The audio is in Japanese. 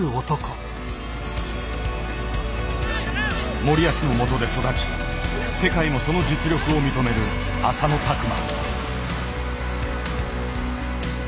森保のもとで育ち世界もその実力を認める浅野拓磨。